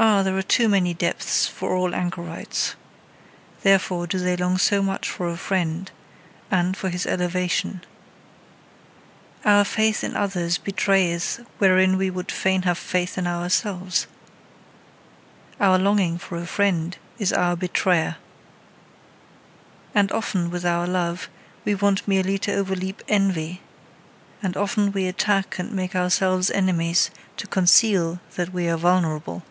Ah! there are too many depths for all anchorites. Therefore, do they long so much for a friend, and for his elevation. Our faith in others betrayeth wherein we would fain have faith in ourselves. Our longing for a friend is our betrayer. And often with our love we want merely to overleap envy. And often we attack and make ourselves enemies, to conceal that we are vulnerable.